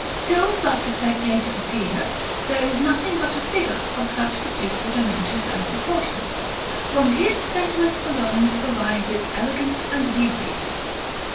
Till such a spectator appear, there is nothing but a figure of such particular dimensions and proportions: from his sentiments alone arise its elegance and beauty.